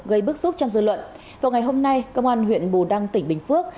gây bức xúc trong dư luận vào ngày hôm nay công an huyện bù đăng tỉnh bình phước